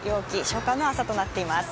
初夏の朝となっています。